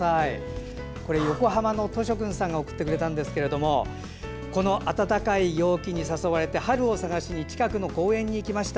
横浜のとしょくんさんが送ってくれたんですけれどこの暖かい陽気に誘われて春を探しに近くの公園に行きました。